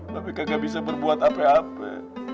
mba be kagak bisa berbuat apa apa